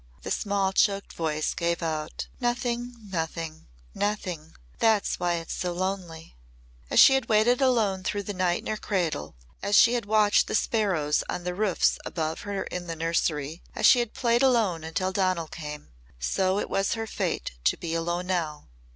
the small choked voice gave out. "Nothing nothing! Nothing. That's why it's so lonely." As she had waited alone through the night in her cradle, as she had watched the sparrows on the roofs above her in the nursery, as she had played alone until Donal came, so it was her fate to be alone now.